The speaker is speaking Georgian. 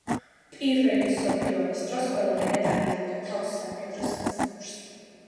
პირველი მსოფლიო ომის დროს ყველანაირად არიდებდა თავს სამხედრო სამსახურს.